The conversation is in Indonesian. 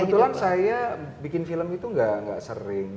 kebetulan saya bikin film itu gak sering